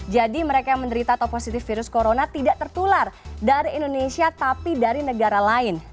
jadi mereka yang menderita atau positif virus corona tidak tertular dari indonesia tapi dari negara lain